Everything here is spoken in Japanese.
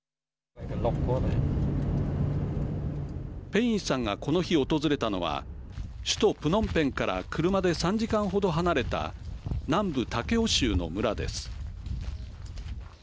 ペインさんがこの日、訪れたのは首都プノンペンから車で３時間程離れた南部タケオ州の村です。